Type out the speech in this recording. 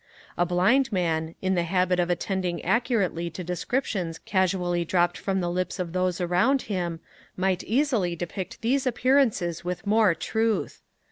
A blind man, in the habit of attending accurately to descriptions casually dropped from the lips of those around him, might easily depict these appearances with more truth.